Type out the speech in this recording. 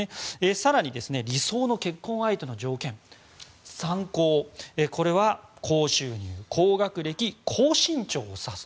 更に理想の結婚相手の条件３高、これは高収入・高学歴・高身長を指す。